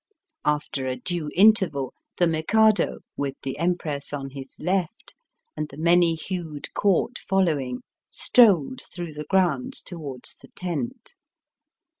After a due interval the Mikado, with the Empress on his left, and the many hued Court following, strolled through the grounds towards the tent.